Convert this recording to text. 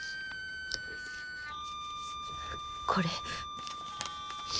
これ。